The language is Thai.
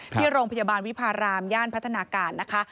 ที่โรงพยาบาลวิพารามย่านพัฒนาการนะคะ